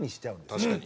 確かに。